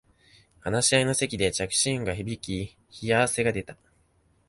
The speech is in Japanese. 話し合いの席で着信音が響き冷や汗が出た